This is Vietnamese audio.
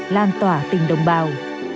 lan tỏa tình đồng bào